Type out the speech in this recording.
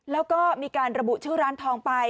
แล้วก็มีการระบุชื่อร้านทองไป